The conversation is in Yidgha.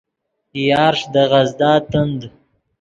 یارݰ دے غزدا تند